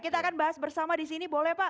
kita akan bahas bersama disini boleh pak